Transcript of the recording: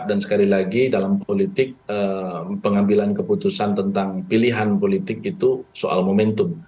dan sekali lagi dalam politik pengambilan keputusan tentang pilihan politik itu soal momentum